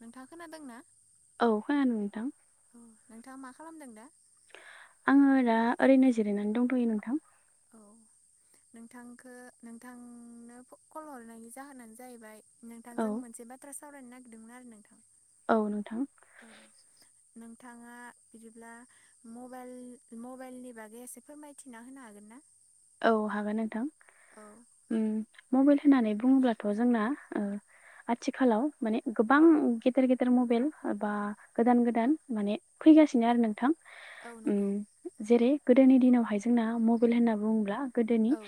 नोंथाङा खोनादों ना औ खोनादों नोंथां नोंथाङा मा खालामदों दा। आङो दा ओरैनो जिरायनानै दंथ'यो नोंथां। औ नोंथांखौ नोंथांनो क'ल हरनायनि जाहोनानो जाहैबाय। औ नोंथांजों मोनसे बाथ्रा सावरायनो नागिरदोंमोन आरो नोंथां। औ नोंथां। औ नोंथाङा बिदिब्ला मबाइल मबाइलनि बागै एसे फोरमायथिना होनो हागोन ना। औ हागोन नोंथां औ ओम। मबाइल होननानै बुङोब्लाथ' जोंना ओ। आथिखालाव माने गोबां गेदेर गेदेर मबाइल बा गोदान गोदान माने फै फैगासिनो आरो नोंथां। औ नंगौ जेरै गोदोनि दिनावहाय जोंना मबाइल होनना बुङोब्ला गोदोनि औ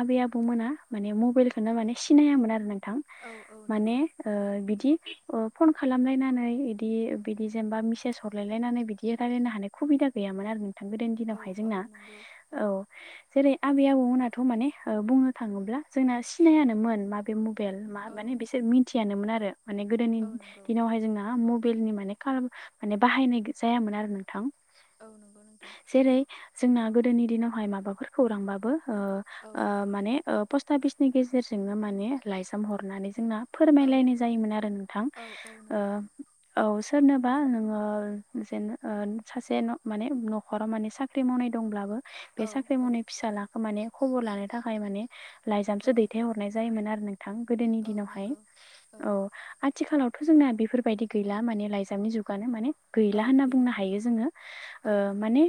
आबै आबौमोना माने मबाइलखौनो माने सिनायामोन आरो न थां औ औ नंगौ माने ओ बिदि फन खालामलायनानै बिदि बिदि जेनेबा मेसेज हरलायलायनानै बिदि रायलायनो हानाय खुबिदा गैयामोन आरो नोंथां गोदोनि औ दिनावहाय औ जोंना नंगौ औ। जेरै आबै आबौमोनथ' माने बुंनो थाङोब्ला जोंना सिनायानोन माबे मु मबेल मा औ माने बिसोर मिथियामोन आरो माने गोदोनि औ नंगौ दिनावहाय जोंना म बेलनि माने कालम माने बाहायनाय गो जायामोन आरो नोंथां। औ नोंगौ नोंथां। जेरै जोंना गोदोनि दिनावहाय माबाफोर खौरांबाबो ओ औ ओ माने ओ पसत ताबिसनि गेजेरजोंनो माने लाइजाम हरनानै जोंना औ फोरमायलायनाय जायोमोन आरो नोंथां। औ औ नंगौ ओ औ सोरनोबा नोङो जेन ओ सासे न' माने न'खराव माने साख्रि मावनाय दंब्लाबो औ औ। लाख माने खबर लानो थाखाय माने लाइजामसो औ दैथाय हरनाय जायोमोन आरो। थां गोदोनि औ दिनावहाय नंगौ औ आ आथिखालावथ' जोंना बेफोरबायदि गैला माने लाइजामनि जुगानो माने गैला होनना बुंनो हायो जोङो ओ औ नंगौ माने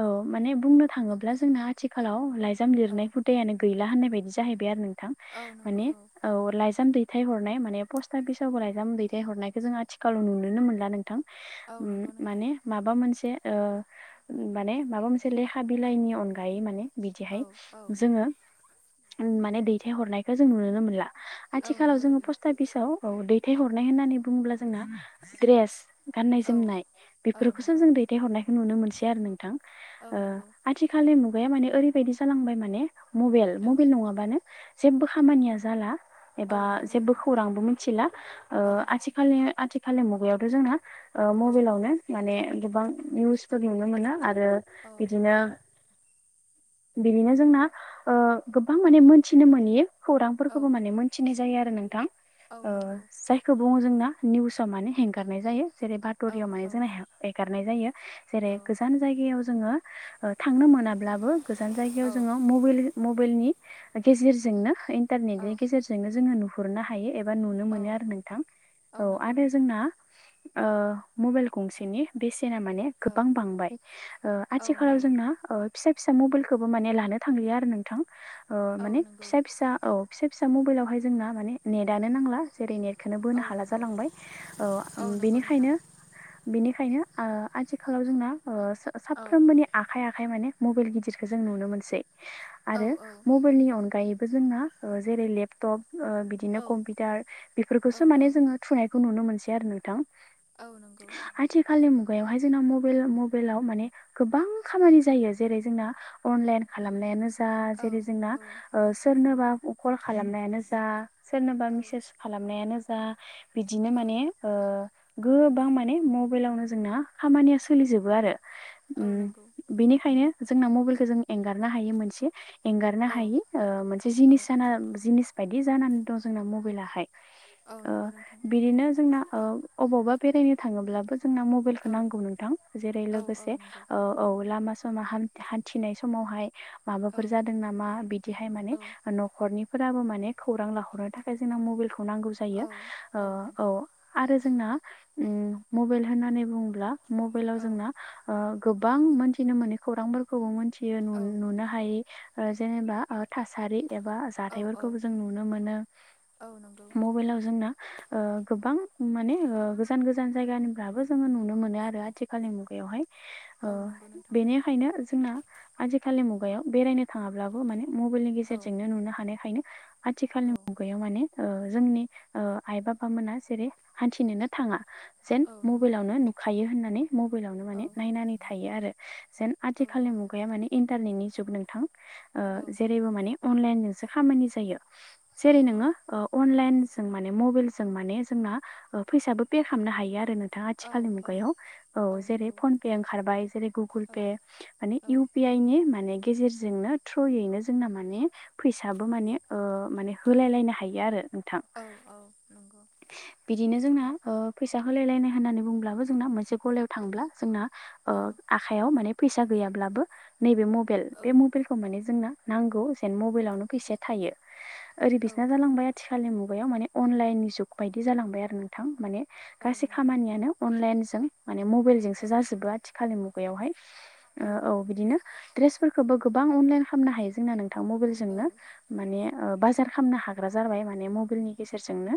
औ माने बुंनो थाङोब्ला जोंना आ थिखालाव लाइजाम औ लिरनाय हुदायानो गैला होननाय बायदि जाहैबाय आरो नों थां औ नंगौ माने औ लाइजाम दै दैथायहरनाय माने पस्ट आफिसावबो लाायजाम दैथायहरनायखौ जों आथिखालाव नुनो मोनला नोंथां। औ उम नंगौ नोंथां माने माबा मोनसे ओ माने माबा मोनसे लेखा बिलाइनि अनगायै माने औ बिदिहाय औ जोङो माने दैथायहरनायखौ जों नुनोनो मोनला। औ आथिखालाव नंगौ जोङो नोंथां पस्ट अआफिसाव औ दैथायहरनाय होननानै बुङोब्ला जोंना ग्रेस गाननाय औ जोमनाय औ बेफोरखौसो नंगौ जों दैथायहरनायखौ नुनो मोनसै आरो नोंथां। औ ओ नंगौ आथिखाल मुगाया माने ओरैबायदि जालांबाय माने मबेइल औ मबेइल नङाबानो जेबो खामानिया जाला। औ एबा नंगौ जेबो नोंथां खौरांबो मिथिला ओ औ आथिखालि आथि खालि मुगायावथ' जोंना औ मबेलावनो माने गोबां निउसफोर नुनो मोनो आरो ओ औ बिदिनो बिनिनो जोंना ओ गोबां माने मोनथिनो मोनि औ खौरांफोरखौबो माने मोनथिनाय जायो आरो नोंथां औ ओ नंगौ जायखौ बुङो जोंना निउजस मानो हेंगारनाय जायो। जेरै औ बाथ'रियाव माने औ जोंना हे एगारनाय जायो जेरै औ गोजान जायगायाव जोङो ओ थांनो मोनाब्लाबो गोजान जायगायाव जोङो मबाइल- मबाइलनि गेजेरजोंनो औ इन्टारनेटनि गेजेरजोंनो जोङो नुहुरनो हायो एब बा नुनो मोन औ नोंथां औ नंगौ आरो नोंथां जोंना ओ मबेइल गंसेनि बेसेना माने औ गोबां बांबाय औ आथिखालाव नंगौ जोंना ओ फिसा फिसा मबेइलखौबो माने लानो थांलिया आरो नोंथां। औ माने नंगौ फिसा फिसा औ। फिसा फिसा मबेइलावहाय जोंना माने नेटआनो नांला जेरै नेट खोनो बोनो औ हाला नंगौ जालांबाय औ ओम नंगौ नोंथां निखायनो- बेनिखायनो ओ आथिखालाव जोंना ओ स- औ साफ्रोमबोनि आखाइ आखाइ माने मबेइल गिदिरखौ जों नुनो मोनसै। औ आरो मबेइलनि अनगायैबो जोंना जेरै लेपटप ओ बिदिनो औ कम्पिउटार औ बेफोरखौसो माने जोङो थुनायखौ नुनो मोनसै आरो नोंथां। औ नंगौ आथिखालनि मुगायावहाय जोंना मबेल- मबेइलाव माने गोबां खामानि जेरै जोंना अनलाइन खालामनायानो जा औ जेरै जोंना औ सोरनोबा कल खालामनायानो जा, सोरनोबा औ मिसेज खालामनायानो जा बिदिनो माने ओ गोबां माने मबेइलावनो जोंना खामानिया सोलि जोबो आरो। औ नोंगौ। खायनो जोंना मबेइलखौ जों एगारनो हायै मोनसे एंगारनो औ हायै ओ मोनसे औ जिनिस जाना जिनिज बायदि जानानै दं जोंना मबेइलाहाय। औ नंगौ नोंथां। औ अबावबा बेरायनो थाङोब्लाबो जोंना मबेइलखौ औ नांगौ नोंथां जेरै औ औ लोगोसे नंगौ ओ औ लामा सामा हान्थ- हान्थिनाय समावहाय माबाफोर औ जादों नामा बिदिहाय माने औ न'खरनि फोराबो माने खौरां लाहरनो थाखाय जों मबाइलखौ नांगौ जायो औ औ ओ नंगौ औ आरो जोंना ओ मोबाइल होननानै बुङोब्ला मबाइलाव औ जोंना ओ गोबां मोन थिनो मोनै खौरांफोरखौबो मिथियो औ नुनो हायै जेनेबा ओ थासारि एबा औ औ जाथायफोरखौबो जों नुनो मोनो औ नंगौ मबाइलाव जोंना ओ गोबां माने ओ गोजान गोजान जायगानिफ्राबो जोङो नुनो मोनो आरो आथिखालनि मुगायावहाय। औ नंगौ नोंथां। बेंखायनो जोंना आजिखालि मुगायाव बेरायनो थाङाब्लाबो माने मबाइलनि औ गेजेरजोंनो नुनो हानायखायनो आथिखालनि औ मुगायाव माने ओ जोंनि ओ आइ बाबामोना जेरै हान्थिनोनो थाङा। जेन औ नंगौ मबाइलावनो नुखायो होननानै मबाइलावनो औ माने नायनानै थायो आरो। जेन औ आथिखालनि नंगौ मुगाया माने इन्टारनेटनि जुग नोंथां ओ औ जेरैबो माने अनलाइन जोंसो खामानि जायो। औ जेरै नोङो अनलाइन जों माने मबा‌इल जों माने जोंना फैसाबो पे खालामनो हायो आरो नों थां औ आथिखालनि औ मुगायाव औ, जेरै फनपे ओंखारबाय जेरै औ गगोलपे माने औ इउ पी आई नि माने माने गेजेरजोंनो थ्रयैनो जोंना माने फैसाबो माने ओ माने होलाय लायनो हायो आरो। नोंथां, औ नंगौ बिदिनो जोंना ओ फैसा होलाय लायनाय होननानै बुंब्लाबो जोंना मोनसे गलायाव थांब्ला जोंना ओ औ आखाइयाव माने फैसा गैयाब्लाबो नैबे मबाइल औ बे मबाइलखौ माने जोंना नांगौ जेन मबाइलावनो फैसाया थायो ओरै औ बिसना जालांबाय आथि खालनि मुगायाव माने अनलाइन जुग बायदि जालांबाय आरो नोंथां माने गासै नंगौ खामानियानो अनलाइनजों माने औ मबाइलजोंसो जाजोबो आथिखालनि मुगायावहाय। ओ औ बिदिनो ड्रेसफोरखौबो गोबां अनलाइन खालामनो हायो जोंना नों थां मबाइलजोंनो माने ओ बाजार खालामनो हाग्रा जाबाय माने मबाइलनि गेजेरजोंनो।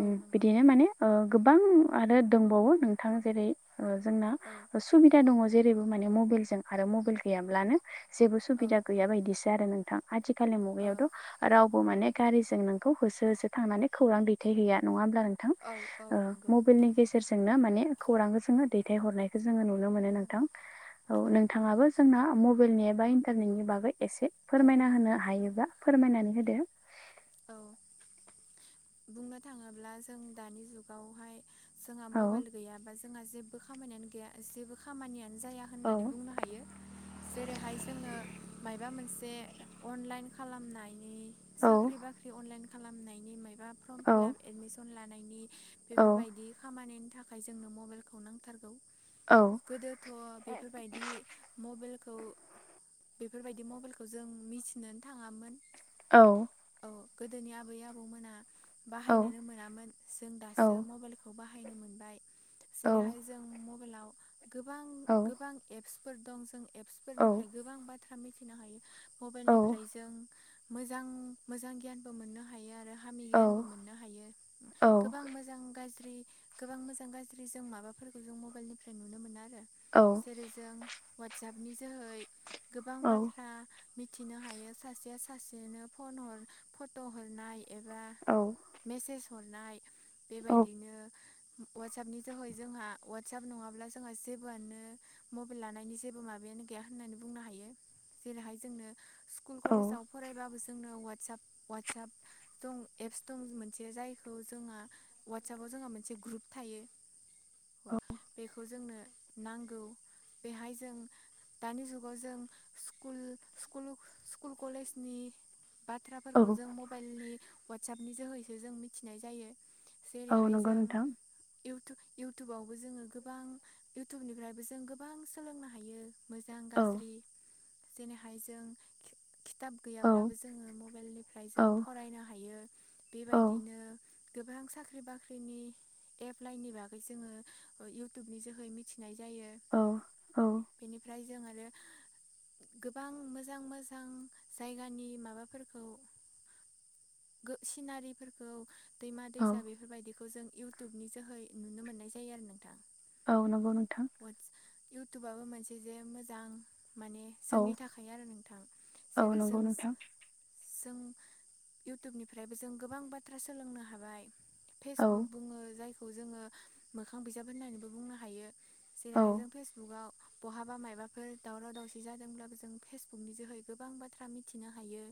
औ नंगौ औ नंगौ बिदिनो माने ओ गोबां आरो दंबावो नोंथां जेरै ओ जोंना औ सुबिदा दङ जेरैबो माने मबाइलजों आरो मबाइल गैयाब्लानो जेबो सुबिदा गैया बायदिसो आरो नोंथां आथिखालनि मुगायावथ' राव बो माने गारिजों नोंखौ होसो होसो थांनानै खौरां दैथायहैया नङा होमबा नोंथां ओ मबाइलनि गेजेरजोंनो माने खौरांखौ जोङो दैथहरनायखो जोङो नु नो मोनो नोंथां। औ नोंथाङाबो जोंनो मबाइलनि एबा इन्टारनेटनि बागै एसे औ फोरमायना होनो हायोब्ला फोरमायनानै होदो? औ बुंनो थाङोब्ला जों दानि जुगावहाय जोंहा औ मबाइल गैयाबा जोंहा जेबो खामानियानो गैया जेबो खामानियानो जाया औ होननानै बुंनो हायो। जेरैहाय जोङो माबा मोनसे अनलाइन खालामनाइ औ साक्रि बाक्रि अनलाइन खालामनायनि माइबा औ प्रमफिलाब एडमिशन लानायनि औ बेफोरबायदि खामानिनि थाखाय जोंनो मबाइलखौ नांथारगौ। औ गोदोथ' औ बेफोरबायदि मबाइल खौ बेफोरबायदि मबाइलखौ जों मिथिनोनो थाङामोन। औ अ गोदोनि आबै आबौमोना औ बाहायनोनो मोनामोन जों औ दासो मबाइलखौ बा बाहायनो मोनबाय। औ जेरैहाय जों मबाइलाव गोबां औ गोबां एप्स फोर दं जों औ एपसफोरनिफ्राय गोबां बाथ्रा मिथिनो हायो औ मबाइलनिफ्राय जों मोजां मोजां गियानबो मोननो हायो आरो फामि औ गियानबो मोननो हायो गोबां मोजां गाज्रि गोबां मोजां गाज्रि जों माबाफोरखौ जों मबाइलनिफ्राय नुनो मोनो आरो जेरै जों वाट्सएपनि जोहै गोबां बाथ्रा मिथिनो हायो सासेया सासेनो फन हर फट' हरनाय एबा औ मेसेज हरनाय बेबायदिनो अवाटसएपनि जोहै जोंहा अवाटसएप नङाब्ला जोंहा जेबोआनो मबाइल लानायनि जेबो माबाया गैया होननानै बुनो हायो जेरैहाय जोंनो स्कुल औ कलेजाव फरायबाबो जोंनो वाटसाप वाटसाप दं एप्स दं मोनसे जायखौ जोंहा वाटसापाव जोंहा मोनसे ग्रुप थायो औ बेखौ जोंनो नांगौ बेहाय जों दानि जुगाव जों स्कुल स्कुल स्कुल कलेजनि बा औ थ्राफोरखौ जों मबाइलनि वाटसापनि जोहैसो जों मिथिनाय जायो औ जेरैहाय नंगौ जों नोंथां इउटुब इउटुबावबो जोङो गोबां इउटुबनिफ्रायबो जों गोबां सोलोंनो हायो मोजां औ गाज्रि जेनैहाय जों खि-खिथाब औ गैयाब्लाबो जोङो म निफ्राय औ जों फरायनो हायो औ बेबायदिनो गोबां साख्रि बाख्रिनि एपलाइननि बागै जोङो इउटुबनि जोहै मिथिनाय जा जायो औ बेनिफ्राय जोङो गोबां मोजां मोजां जायगानि माबाफोर खौ गो सिनारिफोरखौ दैमा औ दैसा बेफोरबायदिखौ जों इउटुबनि जोहै नुनो मोननाय जायो आरो नोंथां औ नंगौ नोंथां वाटस इउटुबाबो मोनसे जे मोजां माने औ जोंनि थाखाय आरो नोंथां औ जेरै नंगौ जों नोंथां जों इउटुबनिफ्रायबो जों गोबां बाथ्रा सोलोंनो हाबाय औ फेसबुक बुङो जायखौ जोङो मोखां बिजाब होननानैबो बुंनो हायो औ जेरैहाय जों फेसबुगाव बहाबा मायबाफोर दावराव दावसि जादोंब्लाबो जों फेसबुकनि जोहै गोबां बाथ्रा मिथिनो हायो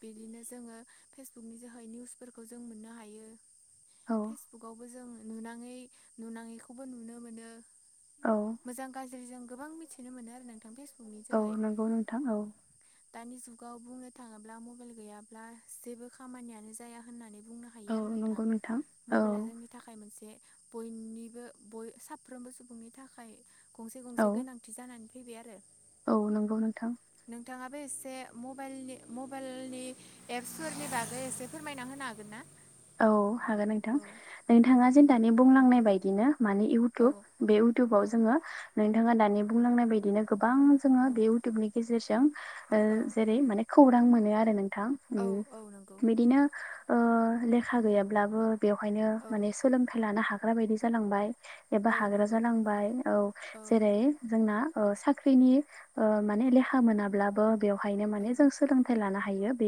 बिदिनो जोङो फेसबुकनि जोहै निउसफोरखौ जों मोननो हायो औ फेसबुकआवबो जों नुनाङै नुनाङैखौबो नुनो मोनो औ मोजां गाज्रि जों गोबां मिथिनो मोनो आरो नोंथां फेस औ नंगौ नोंथां औ दानि जुगाव बुंनो थाङोब्ला मबाइल गैयाब्ला जेबो खामानियानो जाया होननानै बुंनो हायो औ आरो नोंथां नंगौ औ मबाइला जोंनि थाखाय मोनसे बयनिबो बय साफ्रोमबो सुबुंनि थाखाय गंसे औ गंसे गोनांथि जानानै फैबाय आरो औ नंगौ नोंथां बो एसे माबाइलनि मबाइलनि एप्सफोरनि बागै एसे फोरमायना होनो हागोन ना औ हागोन नोंथां औ औ नोंथाङा जेन दानि बुंलांनाय बायदिनो माने औ इउटुब बे इउटुबाव औ जोङो नोंथाङा दानि बुंलांनाय बायदिनो गो बां जोङो बे इउटुबनि गेजेरजों ओ औ जेरै माने खौरां मोनो आरो नों थां औ औ नंगौ बिदिनो ओ लेखा गैयाब्लाबो बेवहायनो औ माने सोलोंथाइ लानो हाग्रा बायदि जालांबाय एबा औ हाग्रा नंगौ जालांबाय औ जेरै जोंना साख्रिनि माने लेहा मोनाब्लाबो बेवहायनो औ माने जों सोलोंथाइ लानो हायो बे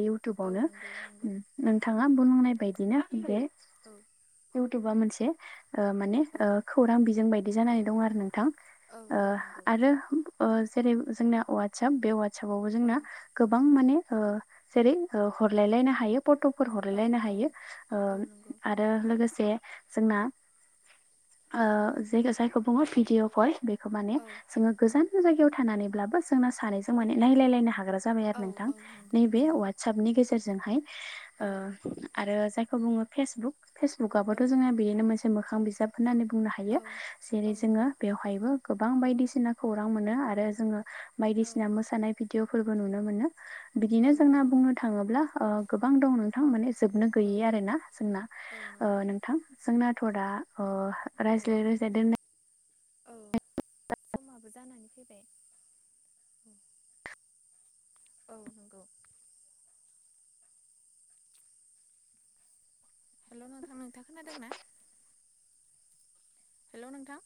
औ इउटुबावनो नंगौ नंगौ नोंथाङा बुंनाय बदिनो बे उम इउटुबा मोनसे ओ माने ओ खौरां बिजों बायदि जानानै दं आरो नोंथां औ औ नंगौ आरो ओ जेरै जोंना वाटसाप बे वाटसापावबो औ जोंना गोबां माने ओ जेरै हरलायलायनो हायो फट'फोर औ हरलायलायनो औ हायो ओ औ नंगौ आरो लोगोसे जोंना औ ओ जेखो जायखौ बुङो भिडिअ भय बेखौ माने औ जोङो गोजान जायगायाव थानानैब्लाबो जोंना सानैजों माने नायलायलायनो हाग्रा जाबाय औ आरो नोंथां नंगौ नैबे नंगौ वाटसापनि गेजेरजोंहाय औ आरो जायखौ बुङो फेसबुक औ फेसबुकआबोथ' जोंना बिदिनो मोनसे मोखां बिजाब होननानै बुंनो औ हायो जेरै जोङो नंगौ बेवहायबो गोबां बायदिसिना खौरां मोनो आरो जोङो औ बायदिसिना मोसानाय भिडिअफोरबो नुनो मोनो। बिदिनो औ जोंना नंगौ बुंनो थाङोब्ला ओ गोबां दं नोंथां माने जोबनो औ गैयै आरोना जोंना औ ओ नंगौ नोंथां जोंना थ' दा अ औ रायज्लाय रायज्लाय दोननाय औ समाबो जानानै फैबाय। औ नंगौ। हेल' नोंथां नोंथां खोनादों ना? हेल' नोंथां